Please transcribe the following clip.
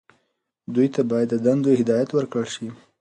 دوی ته باید د دندو هدایت ورکړل شي.